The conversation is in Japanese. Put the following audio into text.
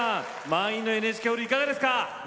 満員のＮＨＫホールいかがですか？